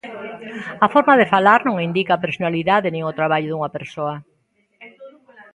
A forma de falar non indica a personalidade nin o traballo dunha persoa.